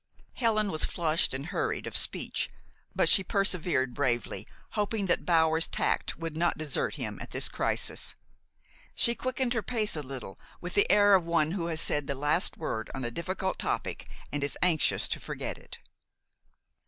Helen was flushed and hurried of speech: but she persevered bravely, hoping that Bower's tact would not desert him at this crisis. She quickened her pace a little, with the air of one who has said the last word on a difficult topic and is anxious to forget it.